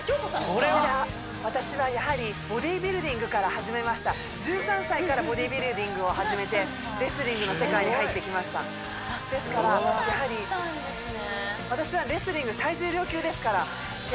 こちら私はやはりボディビルディングから始めました１３歳からボディビルディングを始めてレスリングの世界に入ってきましたですからやはりそうだったんですね